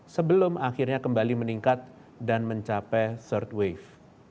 sebelum akhirnya kembali meningkat dan mencapai third wave